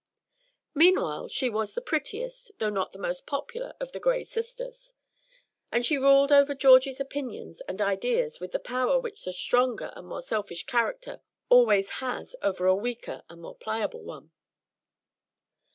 Meanwhile she was the prettiest though not the most popular of the Gray sisters, and she ruled over Georgie's opinions and ideas with the power which a stronger and more selfish character always has over a weaker and more pliable one.